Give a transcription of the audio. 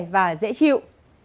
và dễ chịu